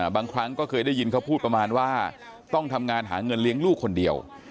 บางครั้งก็เคยได้ยินเขาพูดประมาณว่าต้องทำงานหาเงินเลี้ยงลูกคนเดียว